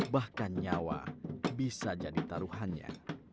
bahkan nyawa bisa jadi taruhannya